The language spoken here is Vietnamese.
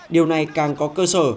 điều này càng có cơ sở